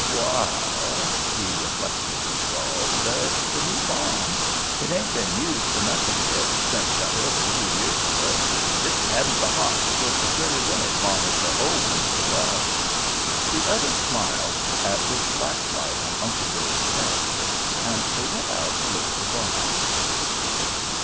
"Waal," he reflectively drawled, "there's th' new barn. It hain't been used for nothin' yit, senct I built it two years ago. I jis' hadn't th' heart t' put th' critters in it as long as th' ole one stood up." The other smiled at this flashlight on Uncle Billy's character, and they went out to look at the barn.